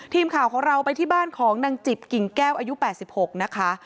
ทีมข่าวของเราไปที่บ้านของนางจิบกิ่งแก้วอายุ๘๖นะคะ